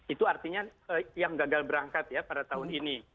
itu artinya yang gagal berangkat ya pada tahun ini